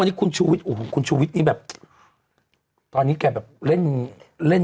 วันนี้คุณชูวิทยโอ้โหคุณชูวิทย์นี่แบบตอนนี้แกแบบเล่นเล่น